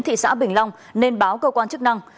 thị xã bình long nên báo cơ quan chức năng